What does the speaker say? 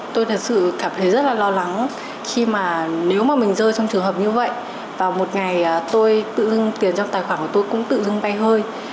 tôi thật sự cảm thấy rất là lo lắng khi mà nếu mà mình rơi trong trường hợp như vậy vào một ngày tôi tự dưng tiền trong tài khoản của tôi cũng tự dưng vay hơn